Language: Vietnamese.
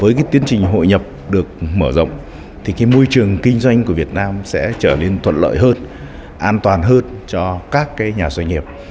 với cái tiến trình hội nhập được mở rộng thì môi trường kinh doanh của việt nam sẽ trở nên thuận lợi hơn an toàn hơn cho các nhà doanh nghiệp